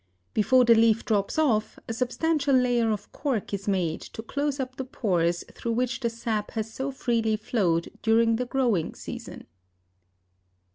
Before the leaf drops off, a substantial layer of cork is made to close up the pores through which the sap had so freely flowed during the growing season.